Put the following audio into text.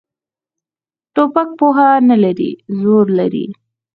توپک پوهه نه لري، زور لري.